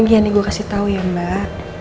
lagi yang nih gue kasih tau ya mbak